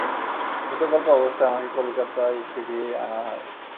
মৃতকল্প অবস্থায় আমাকে কলিকাতায় ফিরিয়ে আনা হয়।